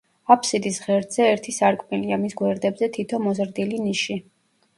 აფსიდის ღერძზე ერთი სარკმელია, მის გვერდებზე თითო მოზრდილი ნიში.